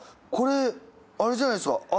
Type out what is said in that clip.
これあれじゃないですか。